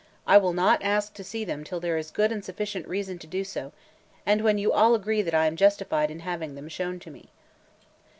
I will not ask to see them till there is good and sufficient reason to do so, and when you all agree that I am justified in having them shown to me."